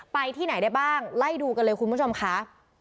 ไปที่ไหนได้บ้างไล่ดูกันเลยคุณผู้ชมค่ะ